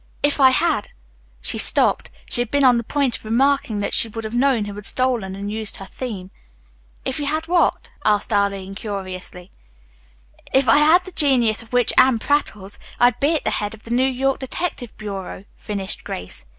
"If I had " she stopped. She had been on the point of remarking that she would have known who had stolen and used her theme. "If you had what?" asked Arline curiously. "If I had the genius of which Arline prattles, I'd be at the head of the New York Detective Bureau," finished Grace.